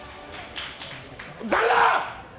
誰だ！